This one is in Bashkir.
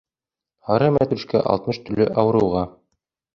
Һары мәтрүшкә алтмыш төрлө ауырыуға